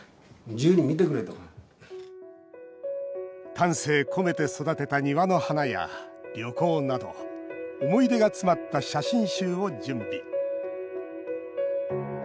丹精込めて育てた庭の花や旅行など思い出が詰まった写真集を準備。